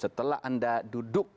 setelah anda duduk